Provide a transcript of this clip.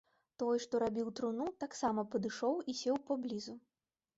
Той, што рабіў труну, таксама падышоў і сеў поблізу.